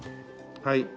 はい。